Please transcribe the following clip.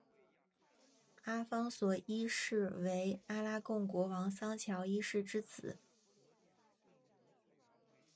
阿方索一世为阿拉贡国王桑乔一世之子。